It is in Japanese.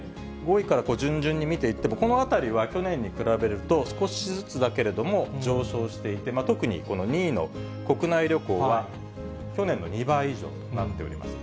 ５位から順々に見ていっても、このあたりは去年に比べると、少しずつだけれども上昇していて、特にこの２位の国内旅行は、去年の２倍以上となっております。